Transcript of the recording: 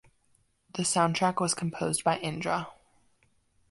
The soundtrack was composed by Indra.